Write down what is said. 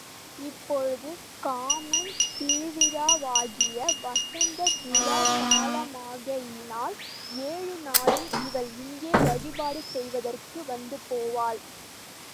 இப்போது காமன் திருவிழாவாகிய வசந்த விழாக் காலமாகையினால் ஏழு நாளும் இவள் இங்கே வழிபாடு செய்வதற்கு வந்து போவாள்.